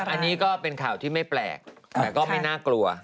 อันนี้ก็เป็นข่าวที่ไม่แปลกแต่ก็ไม่น่ากลัว